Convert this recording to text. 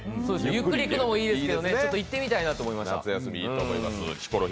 ゆっくり行くのもいいですけどね、行ってみたいと思いました。